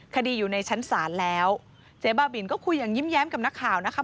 คดีอยู่ในชั้นศาลแล้วเจ๊บ้าบินก็คุยอย่างยิ้มแย้มกับนักข่าวนะคะ